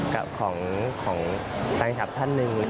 ของตังค์แถบท่านหนึ่ง